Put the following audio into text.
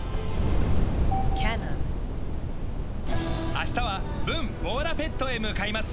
明日はブン・ボーラペットへ向かいます。